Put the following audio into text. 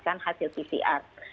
kami sudah melakukan pengumuman di rumah